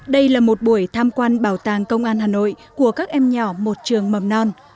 đây là một buổi tham quan bảo tàng công an hà nội của các em nhỏ một trường mầm non